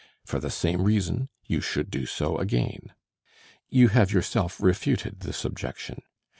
For the same reason you should do so again. You have yourself refuted this objection.